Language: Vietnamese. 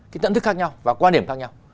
cái tận thức khác nhau và quan điểm khác nhau